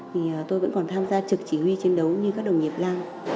thì tôi vẫn còn tham gia trực chỉ huy chiến đấu như các đồng nghiệp la